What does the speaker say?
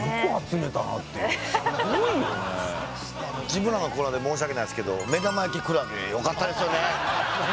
自分らのところで申し訳ないですけど目玉焼きクラゲよかったですよね。